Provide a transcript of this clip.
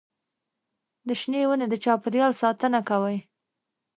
د شنې ونې د چاپېریال ساتنه کوي.